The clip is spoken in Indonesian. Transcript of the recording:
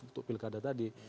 untuk pilkada tadi